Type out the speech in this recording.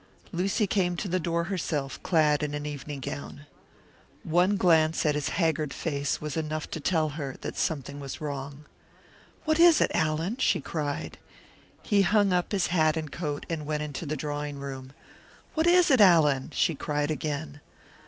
Lucy came to the door herself, clad in an evening gown. One glance at his haggard face was enough to tell her that something was wrong. "What is it, Allan?" she cried. He hung up his hat and coat, and went into the drawing room. "What is it, Allan?" she cried again.